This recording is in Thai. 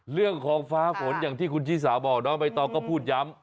เรื่องของฟ้าห้มฝนอย่างที่คุณชี่สาวบอกไม่ต้องก็พูดย้ำ